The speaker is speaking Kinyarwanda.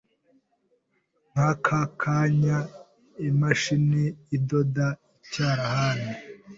Nk'aka kanyaImashini idoda icyarahani